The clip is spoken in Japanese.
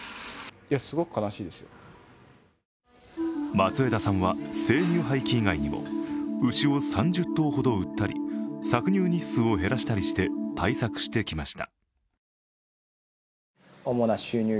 松枝さんは生乳廃棄以外にも牛を３０頭ほど売ったり搾乳日数を減らしたりして対策してきました。